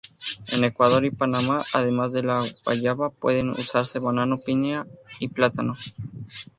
En Ecuador y Panamá, además de la guayaba puede usarse banano, piña y plátano.